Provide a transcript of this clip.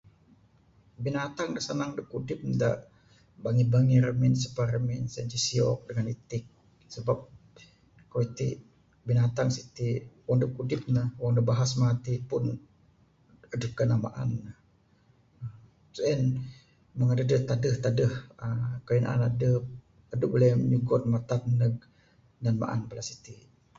Binatang de senang dep kudip de, bengih-bengih remin sepak remin sien ce, siok dengan itik, sebab keyuh tik binatang sitik, wong dep kudip ne, wong ne bahasa matik pun, edep kena maan ne, sien mung edeh tedeh-tedeh [uhh]..keyuh naan edep, edep buleh nyugon metan deg, nan paan bala sitik.